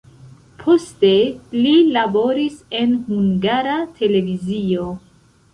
Poste li laboris en Hungara Televizio.